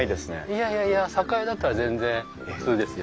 いやいやいや酒蔵だったら全然普通ですよ。